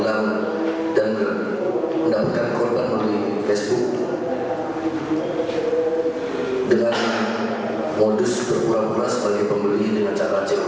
dari sasaran korban tersangka yang merupakan terekam dalam cctv